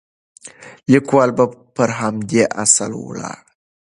لیکوال پر همدې اصل ولاړ دی.